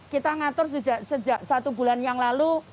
kita ngatur sejak satu bulan yang lalu